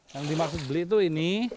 yang dimaksud beli itu ini